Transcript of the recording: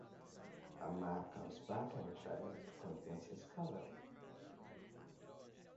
Amar comes back and try to convince his father.